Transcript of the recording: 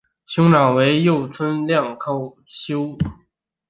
兄长为右京亮山口修弘。